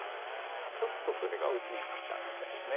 ちょっとそれが打ちにくかったみたいです。